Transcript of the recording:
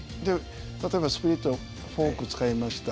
例えばスプリットフォーク使いました。